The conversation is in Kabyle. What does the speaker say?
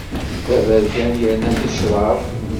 D aberkan yerna ticraḍ.